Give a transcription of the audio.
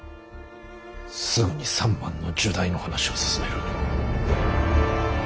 すぐに三幡の入内の話を進める。